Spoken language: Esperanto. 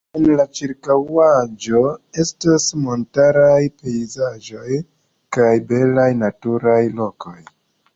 En la ĉirkaŭaĵo estas montaraj pejzaĝoj kaj belaj naturaj lokoj.